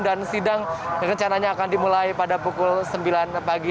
dan sidang rencananya akan dimulai pada pukul sembilan pagi